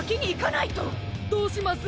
どうします？